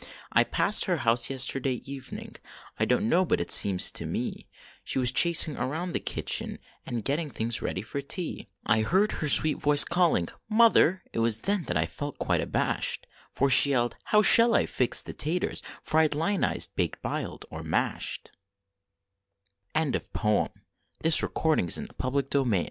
1 passed her house yesterday evening. I don t know, but it seems to me, She was chasing around in the kitchen, And getting things ready for tea. I heard her sweet voice calling :" Mother," It was then that I felt quite abashed, For she yelled, " How shall I fix the taters, Fried, lioni/ed, baked, biled, or mashed HE CUSHVILLE HOP Ise gwine down to de Cushville hop An